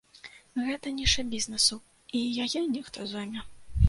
Гэта ніша бізнесу і яе нехта зойме.